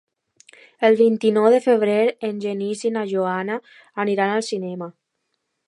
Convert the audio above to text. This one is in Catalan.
El vint-i-nou de febrer en Genís i na Joana aniran al cinema.